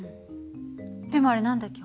でもあれ何だっけ？